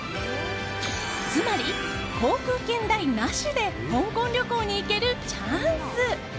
つまり航空券代なしで香港旅行に行けるチャンス。